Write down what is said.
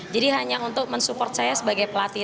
jadi hanya untuk mensupport saya sebagai pelatih